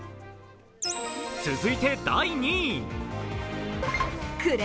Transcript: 続いて第２位。